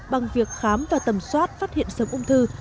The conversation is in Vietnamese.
bằng việc khám và tầm soát phát hiện sớm ung thư